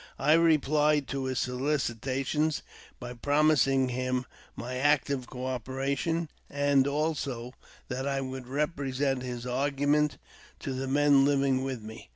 I replied to his solicitations by promising him my active co operation, and also that I would represent his argu ments to the men living with me.